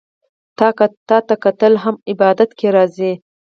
تاته کتل هم عبادت کی راځي